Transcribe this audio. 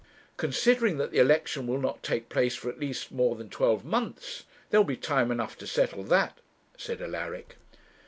'Considering that the election will not take place for at least more than twelve months, there will be time enough to settle that,' said Alaric.